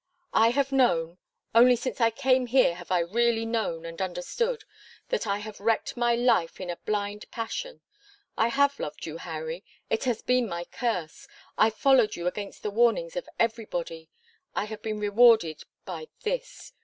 "I have known only since I came here have I really known and understood that I have wrecked my life in a blind passion. I have loved you, Harry; it has been my curse. I followed you against the warnings of everybody: I have been rewarded by this.